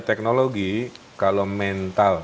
teknologi kalau mental